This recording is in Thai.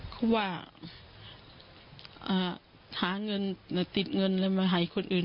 เพราะว่าหาเงินติดเงินมาให้คนอื่น